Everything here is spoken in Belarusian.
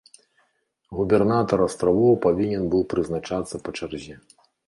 Губернатар астравоў павінен быў прызначацца па чарзе.